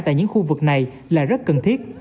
tại những khu vực này là rất cần thiết